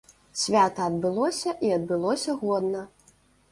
Свята адбылося, і адбылося годна.